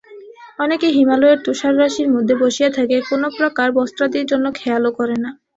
অনেকে হিমালয়ের তুষাররাশির মধ্যে বসিয়া থাকে, কোন প্রকার বস্ত্রাদির জন্য খেয়ালও করে না।